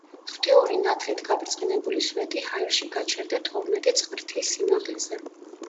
ღვთიური ნათლით გაბრწყინებული სვეტი ჰაერში გაჩერდა თორმეტი წყრთის სიმაღლეზე.